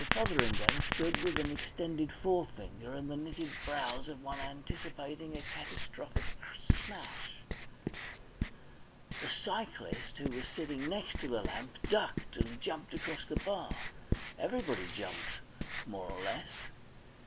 Fotheringay stood with an extended forefinger and the knitted brows of one anticipating a catastrophic smash. The cyclist, who was sitting next the lamp, ducked and jumped across the bar. Everybody jumped, more or less.